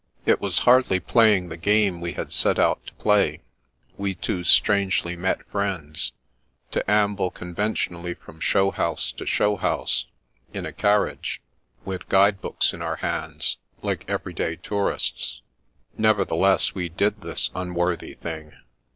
It was hardly playing the game we had set out to play — we two strangely met friends — ^to amble conven tionally from show house to show house, in a car riage, with guide books in our hands, like everyday tourists; nevertheless, we did this unworthy thing.